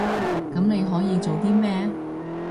噉你可以做啲咩？